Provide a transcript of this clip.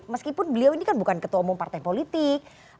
meskipun beliau ini bukan ketua omong partai politik